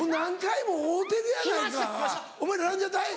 お前ランジャタイ？